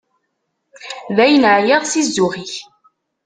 Dayen, εyiɣ si zzux-ik.